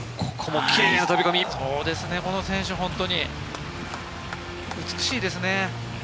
この選手は本当に美しいですね。